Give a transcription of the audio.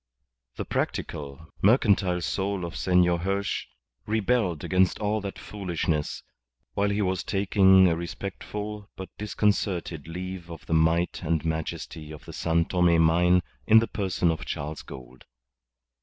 The practical, mercantile soul of Senor Hirsch rebelled against all that foolishness, while he was taking a respectful but disconcerted leave of the might and majesty of the San Tome mine in the person of Charles Gould.